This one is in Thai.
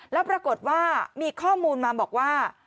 แล้วปรากฏว่ามีข้อมูลมาบอกว่า